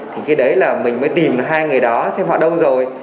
thì khi đấy là mình mới tìm hai người đó xem họ đâu rồi